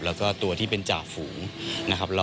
แล้วก็ตัวที่เป็นจ่าฝูงนะครับ